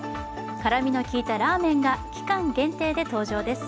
辛みの効いたラーメンが期間限定で登場です。